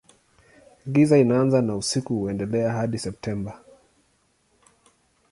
Giza inaanza na usiku huendelea hadi Septemba.